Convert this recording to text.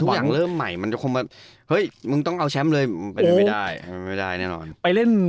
หมดทุกอย่างเริ่มใหม่มันจะคงมาเฮ้ยมึงต้องเอาแชมป์เลยมันไปไม่ได้ไม่ได้แน่นอน